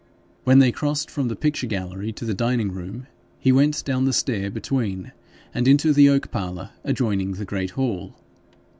When they crossed from the picture gallery to the dining room, he went down the stair between, and into the oak parlour adjoining the great hall.